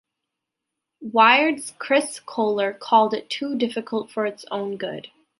Wired's Chris Kohler called it too difficult for its own good.